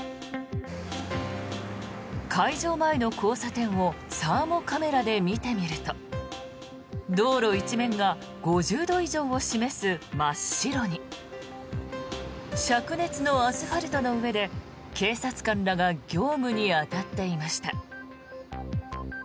会場前の交差点をサーモカメラで見てみると道路一面が５０度以上を示す真っ白に。しゃく熱のアスファルトの上で警察官らが業務に当たっていました。